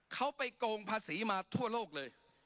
เขาไปโกงภาษีมาทั่วโลกเลย